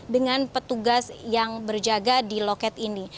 dengan petugas yang berjaga di loket ini